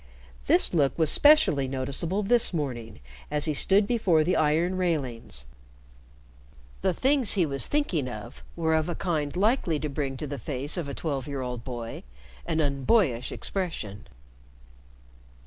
This look was specially noticeable this morning as he stood before the iron railings. The things he was thinking of were of a kind likely to bring to the face of a twelve year old boy an unboyish expression.